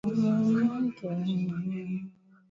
Majani ya viazi lishe huweza kuliwa kwa wali